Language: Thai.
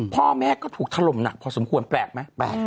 พ่อแม่ก็ถูกถล่มหนักพอสมควรแปลกไหมแปลก